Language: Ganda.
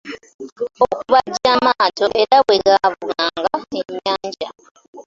Okubajja amaato era bwe gaabunanga ennyanja.